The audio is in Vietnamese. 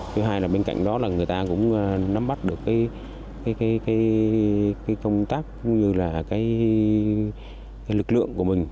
thứ hai là bên cạnh đó là người ta cũng nắm bắt được cái công tác cũng như là cái lực lượng của mình